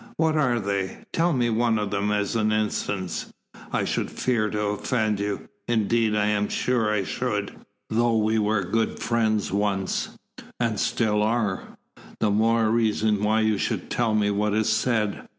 "What are they? Tell me one of them, as an instance." "I should fear to offend you indeed I am sure I should, though we were good friends once." "And are still. The more reason why you should tell me what is said.